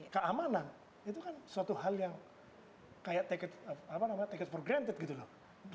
keamanan itu kan suatu hal yang kayak take it for granted gitu loh